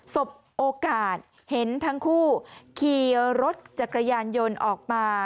สบโอกาสเห็นทั้งคู่ขี่รถจักรยานยนต์ออกมา